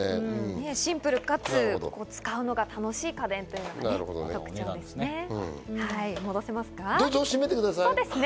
シンプルかつ使うのが楽しい家電ということですね。